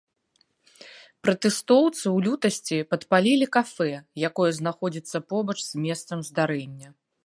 Пратэстоўцы ў лютасці падпалілі кафэ, якое знаходзіцца побач з месцам здарэння.